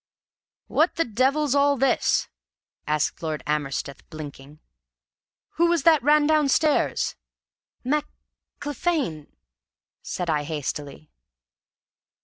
"What the devil's all this?" asked Lord Amersteth, blinking. "Who was that ran downstairs?" "Mac Clephane!" said I hastily.